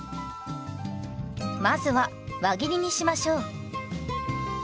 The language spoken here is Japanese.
まずは輪切りにしましょう。